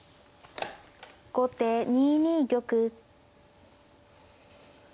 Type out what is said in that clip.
後手２二玉。